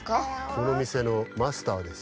このみせのマスターです。